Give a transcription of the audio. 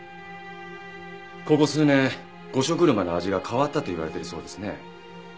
ここ数年御所車の味が変わったと言われてるそうですね。